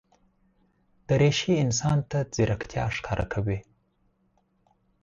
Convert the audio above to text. دریشي انسان ته ځیرکتیا ښکاره کوي.